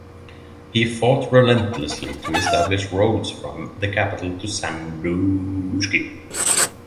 He fought relentlessly to establish roads from the capital to Sandusky.